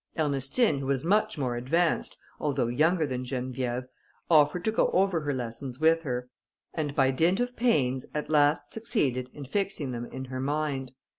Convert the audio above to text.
Ernestine, who was much more advanced, although younger than Geneviève, offered to go over her lessons with her, and by dint of pains at last succeeded in fixing them in her mind.